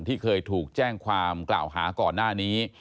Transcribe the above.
ที่เคยถูกแจ้งความกล่าวหาก่อนหน้านี้